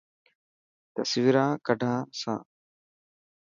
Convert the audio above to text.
تصويران ڪڌا سان.